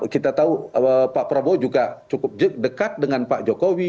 kita tahu pak prabowo juga cukup dekat dengan pak jokowi